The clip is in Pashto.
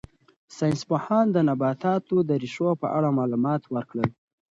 ساینس پوهانو د نباتاتو د ریښو په اړه معلومات ورکړل.